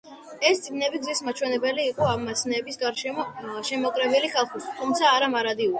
ეს წიგნები გზის მაჩვენებელი იყო ამ მაცნეების გარშემო შემოკრებილი ხალხისთვის, თუმცა არა მარადიული.